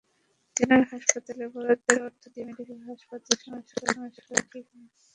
General হাসপাতালের বরাদ্দের অর্থ দিয়ে মেডিকেল কলেজ হাসপাতালের সংস্কার হচ্ছে—এটা ঠিক নয়।